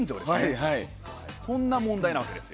そんな問題なわけです。